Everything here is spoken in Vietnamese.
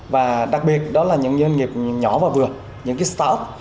và đặc biệt đó là những doanh nghiệp nhỏ và vừa những start up